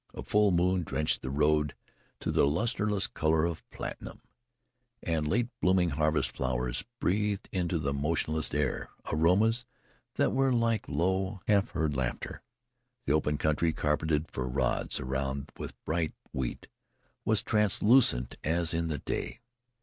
A full moon drenched the road to the lustreless colour of platinum, and late blooming harvest flowers breathed into the motionless air aromas that were like low, half heard laughter. The open country, carpeted for rods around with bright wheat, was translucent as in the day.